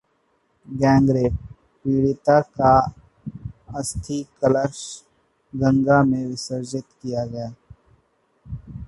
गैंगरेपः पीड़िता का अस्थि-कलश गंगा में विसर्जित किया गया